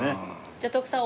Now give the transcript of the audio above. じゃあ徳さん